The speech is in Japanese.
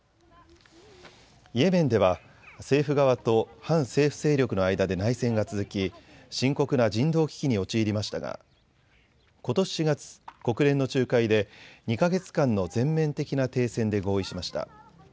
イエメンでは政府側と反政府勢力の間で内戦が続き深刻な人道危機に陥りましたがことし４月、国連の仲介で２か月間の全面的な停戦で合意しました。